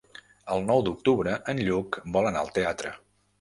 El nou d'octubre en Lluc vol anar al teatre.